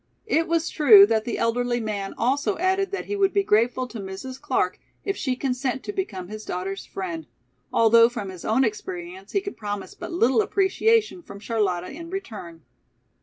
It was true that the elderly man also added that he would be grateful to Mrs. Clark if she consent to become his daughter's friend, although from his own experience he could promise but little appreciation from Charlotta in return.